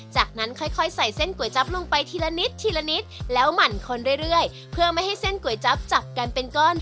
จากนั้นค่อยใส่เส้นก๋วยจั๊บลงไปทีละนิดทีละนิดแล้วหมั่นคนเรื่อยเพื่อไม่ให้เส้นก๋วยจั๊บจับกันเป็นก้อน